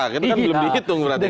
itu kan belum dihitung berarti